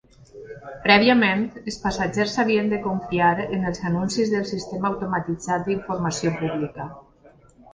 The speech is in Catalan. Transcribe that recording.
Prèviament, els passatgers havien de confiar en els anuncis del sistema automatitzat d'informació pública.